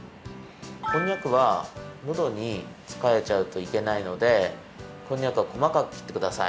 こんにゃくはのどにつかえちゃうといけないのでこんにゃくはこまかくきってください。